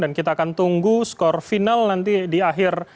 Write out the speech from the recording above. dan kita akan tunggu skor final nanti di akhir